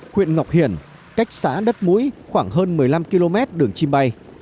quyện ngọc hiển cách xá đất mũi khoảng hơn một mươi năm km đường chim bay